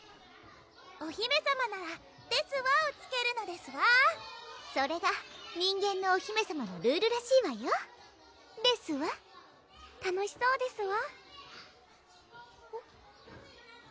お姫さまなら「ですわ」をつけるのですわそれが人間のお姫さまのルールらしいわよですわ楽しそうですわうん？